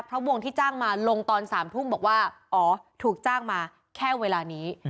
เพราะวงที่จ้างมาลงตอน๓ทุ่มบอกว่าอ๋อถูกจ้างมาแค่เวลานี้